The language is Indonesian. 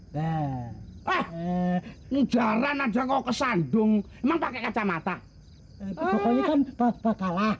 ah ijaran aja kok sandung memakai kacamata pokoknya kan pak allah